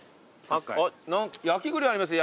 あっ焼き栗ありますよ